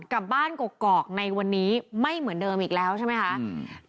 กลับบ้านกกอกในวันนี้ไม่เหมือนเดิมอีกแล้วใช่ไหมคะอืม